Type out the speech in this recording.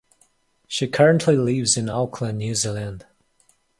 She currently lives in Auckland, New Zealand.